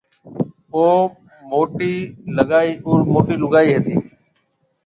او موٽِي لُگائِي هتي۔